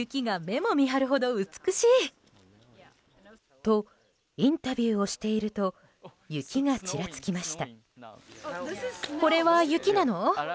と、インタビューをしていると雪がちらつきました。